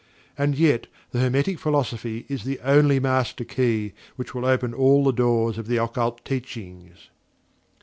And yet, the Hermetic Philosophy is the only Master Key which will open all the doors of the Occult Teachings!